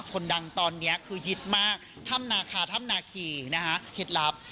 คนดังตอนนี้คือฮิตมากถ้ำนาคาถ้ำนาคีนะคะเคล็ดลับ